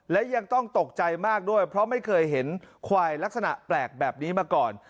และยังต้องตกใจมากด้วยเพราะไม่เคยเห็นควายลักษณะแปลกแบบนี้มาก่อน